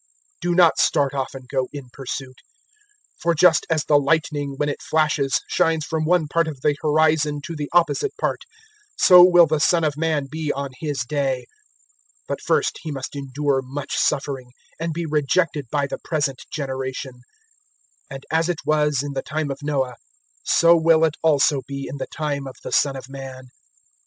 Do not start off and go in pursuit. 017:024 For just as the lightning, when it flashes, shines from one part of the horizon to the opposite part, so will the Son of Man be on His day. 017:025 But first He must endure much suffering, and be rejected by the present generation. 017:026 "And as it was in the time of Noah, so will it also be in the time of the Son of Man.